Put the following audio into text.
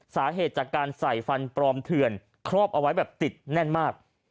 สาเหตุจากการใส่ฟันปลอมเถื่อนครอบเอาไว้แบบติดแน่นมาก